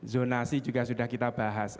zonasi juga sudah kita bahas